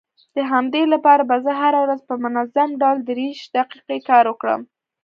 د همدې لپاره به زه هره ورځ په منظم ډول دېرش دقيقې کار وکړم.